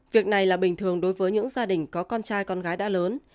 việc này là bình thường đối với những gia đình có con trai con gái đã lớn